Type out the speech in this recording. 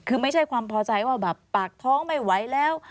คือไม่ใช่ความพอใจว่าแบบปากท้องไม่ไหวแล้ว